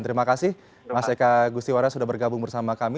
terima kasih mas eka gustiwara sudah bergabung bersama kami